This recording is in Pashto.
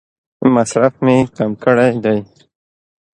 مصرف مې کم کړی دی.